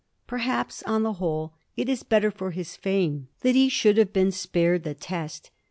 Perhaps, on the whole, it is better for his fame that he should have been spared the test.